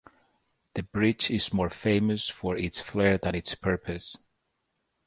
The bridge is more famous for its flair than its purpose.